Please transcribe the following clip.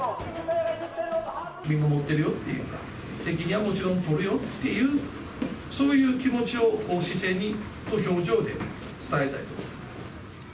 見守ってるよっていうか、責任はもちろん取るよっていう、そういう気持ちを姿勢と表情で伝えたい。